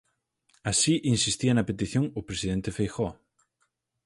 Así insistía na petición o presidente Feijóo.